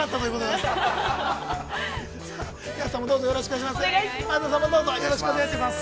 ◆前園さんもどうぞよろしくお願いします。